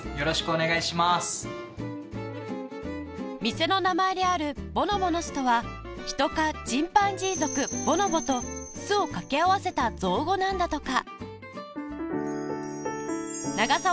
店の名前である「ボノボノス」とはヒト科チンパンジー属「ボノボ」と「巣」を掛け合わせた造語なんだとか